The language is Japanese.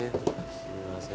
すいません。